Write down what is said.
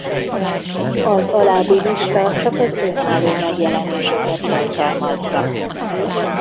Az alábbi lista csak az önálló megjelenéseket tartalmazza.